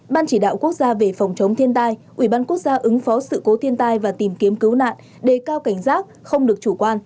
ban chỉ đạo quốc gia về phòng chống thiên tai ủy ban quốc gia ứng phó sự cố thiên tai và tìm kiếm cứu nạn đề cao cảnh giác không được chủ quan